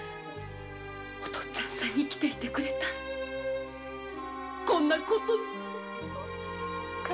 お父っつぁんさえ生きていてくれたらこんなことには。